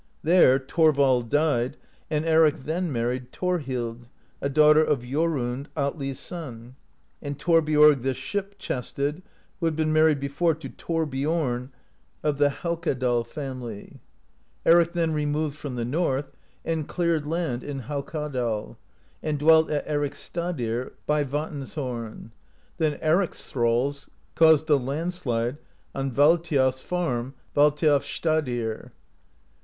There Thorvald died, and Eric then married Thorhild, a daugh ter of Jorund, Atli's son, and Thorbiorg the Ship chested who had been married before to Thorbiom of the Hauk 29 AMERICA DISCOVERED BY NORSEMEN adal family. Eric then removed from the North, and cleared land in Haukadal, and dwelt at Ericsstadir by Vatnshorn. Then Eric's thralls caused a land slide on Valthiof's farm, Valthiofsstadir.